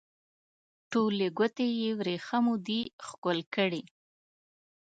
ټولې ګوتې یې وریښمو دي ښکل کړي